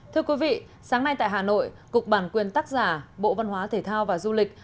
thưa quý vị sáng nay tại hà nội cục bản quyền tác giả bộ văn hóa thể thao và du lịch